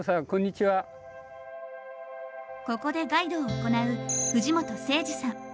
ここでガイドを行う藤本誠司さん。